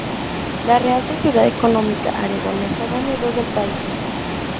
La Real Sociedad Económica Aragonesa de Amigos del País".